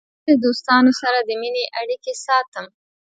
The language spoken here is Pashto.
زه د دوستانو سره د مینې اړیکې ساتم.